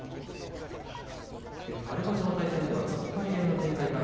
春場所の対戦では突っ張り合いの展開から